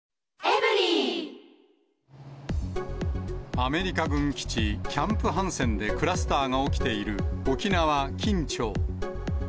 アメリカ軍基地、キャンプ・ハンセンでクラスターが起きている、沖縄・金武町。